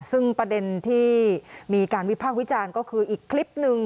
ซึ่งประเด็นที่มีการวิพากษ์วิจารณ์ก็คืออีกคลิปหนึ่ง